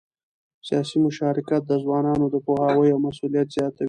سیاسي مشارکت د ځوانانو د پوهاوي او مسؤلیت زیاتوي